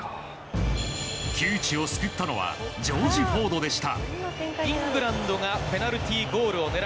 窮地を救ったのはジョージ・フォードでした。